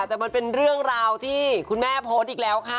แต่มันเป็นเรื่องราวที่คุณแม่โพสต์อีกแล้วค่ะ